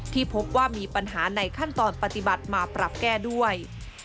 ที่พบว่ามีปัญหาในขั้นตอนปฏิบัติมาปรับแก้ด้วย